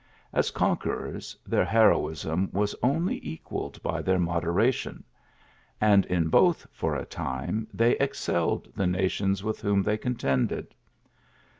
As conquerors their heroism was only equalled by their moderation ; and in both, for a time, they excelled the nations with whom they contended.